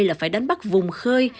là phải đánh bắt vùng khơi